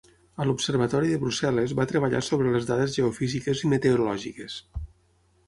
A l'observatori de Brussel·les, va treballar sobre les dades geofísiques i meteorològiques.